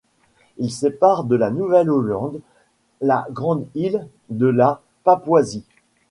Il sépare de la Nouvelle-Hollande la grande île de la Papouasie